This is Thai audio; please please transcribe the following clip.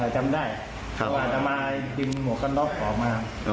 จำได้เพราะว่าจะมาดิ้มหัวข้างล่อออกมา